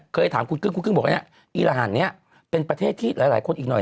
เคยถามคุณกึ้งคุณกึ้งบอกว่าเนี่ยอีรหัสนี้เป็นประเทศที่หลายคนอีกหน่อย